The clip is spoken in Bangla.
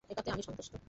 এটাতে আমি সন্তুষ্ট।